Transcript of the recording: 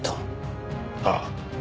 ああ。